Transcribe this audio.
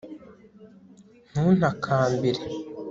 ntuntakambire